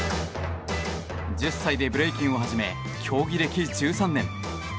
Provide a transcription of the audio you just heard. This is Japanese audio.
１０歳でブレイキンを始め競技歴１３年。